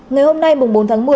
ngày hôm nay bốn tháng một mươi